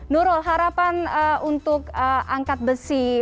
nurul harapan untuk angkat besi